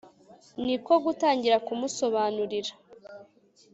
ni ko gutangira kumusobanurira.